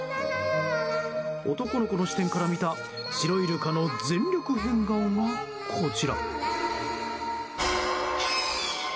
男の子の視点から見たシロイルカの全力変顔がこちら。